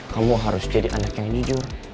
kamu harus jadi anak yang jujur